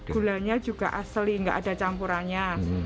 gulanya juga asli nggak ada campurannya